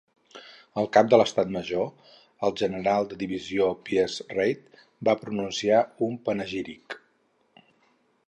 El Cap de l'Estat Major, el general de Divisió Piers Reid, va pronunciar un panegíric.